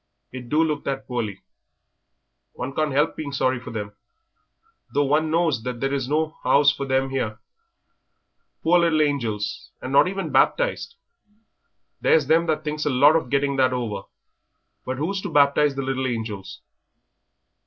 It do look that poorly. One can't 'elp being sorry for them, though one knows there is no 'ouse for them 'ere. Poor little angels, and not even baptised. There's them that thinks a lot of getting that over. But who's to baptise the little angels?"